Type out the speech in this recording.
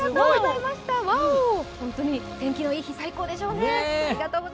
本当に天気のいい日は最高でしょうね。